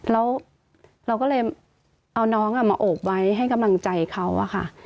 แล้วเราก็เลยเอาน้องมาโอบไว้ให้กำลังใจเขาอะค่ะ